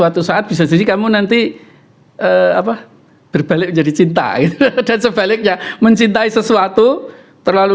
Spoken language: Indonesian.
suatu saat bisa jadi kamu nanti apa berbalik menjadi cinta gitu dan sebaliknya mencintai sesuatu terlalu